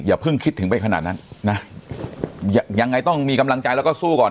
เพิ่งคิดถึงไปขนาดนั้นนะยังไงต้องมีกำลังใจแล้วก็สู้ก่อน